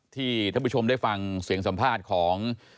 ท่านผู้ชมได้ฟังเสียงสัมภาษณ์ของ